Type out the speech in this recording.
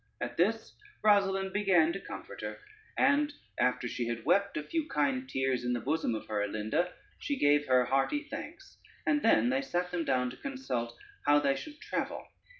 ] At this Rosalynde began to comfort her, and after she had wept a few kind tears in the bosom of her Alinda, she gave her hearty thanks, and then they sat them down to consult how they should travel.